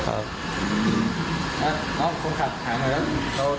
ขอบ